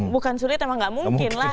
bukan sulit emang gak mungkin lah